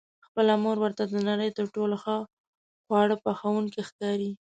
خپله مور ورته د نړۍ تر ټولو ښه خواړه پخوونکې ښکاري.